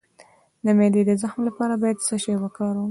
د معدې د زخم لپاره باید څه شی وکاروم؟